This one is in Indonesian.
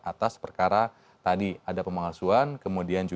atas perkara tadi ada pemalsuan